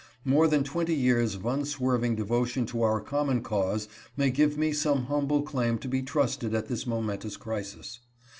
More than twenty years of unswerving devotion to our common cause may give me some humble claim to be trusted at this momentous crisis.